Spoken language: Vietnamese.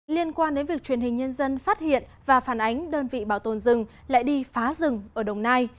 liên quan đến việc truyền hình nhân dân phát hiện và phản ánh đơn vị bảo tồn rừng lại đi phá rừng ở đồng nai